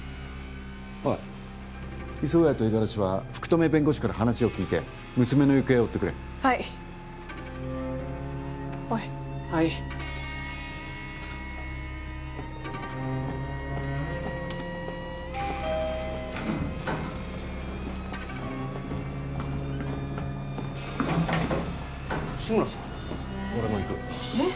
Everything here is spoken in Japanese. おい磯ヶ谷と五十嵐は福留弁護士から話を聞いて娘の行方を追ってくれはいおいはい志村さん俺も行くえっ？